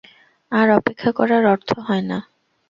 আর অপেক্ষা করার অর্থ হয় না।